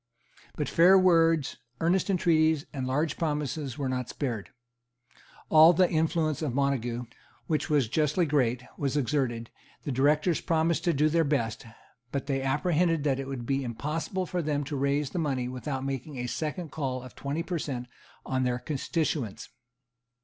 But fair words, earnest entreaties and large promises were not spared; all the influence of Montague, which was justly great, was exerted; the Directors promised to do their best; but they apprehended that it would be impossible for them to raise the money without making a second call of twenty per cent. on their constituents.